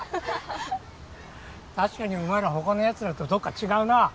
確かにお前ら他のヤツらとどっか違うな。